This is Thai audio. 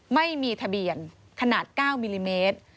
ไม่มีทะเบียนขนาด๙มิลลิเมตร